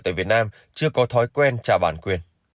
tại việt nam chưa có thói quen trả bản quyền